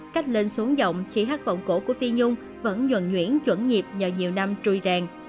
cách lên xuống giọng khi hát vòng cổ của phi nhung vẫn nhuẩn nhuyễn chuẩn nhịp nhờ nhiều năm trùi rèn